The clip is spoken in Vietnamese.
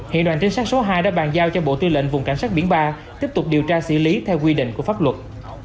hiện đoàn trinh sát số hai đã bàn giao cho bộ tư lệnh vùng cảnh sát biển ba tiếp tục điều tra xử lý theo quy định của pháp luật